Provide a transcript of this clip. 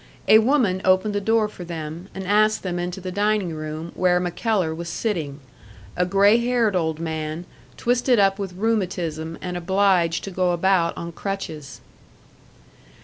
A woman opened the door for them, and asked them into the dining room where MacKellar was sitting a grey haired old man, twisted up with rheumatism and obliged to go about on crutches.